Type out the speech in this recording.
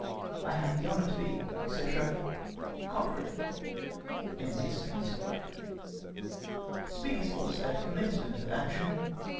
" I have the honour to be, &c. " Cochrane. " M. DLxon, Esq." Speedy' s force at commencement of action.